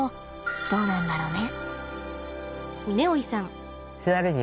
どうなんだろうね。